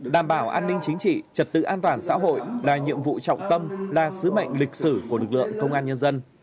đảm bảo an ninh chính trị trật tự an toàn xã hội là nhiệm vụ trọng tâm là sứ mệnh lịch sử của lực lượng công an nhân dân